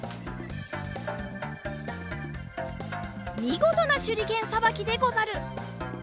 みごとなしゅりけんさばきでござる！